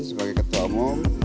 sebagai ketua umum